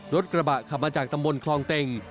รถกระบะขับมาจากตำบลคลองเต็ง